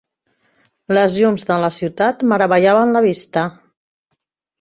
Les llums de la ciutat meravellaven la vista.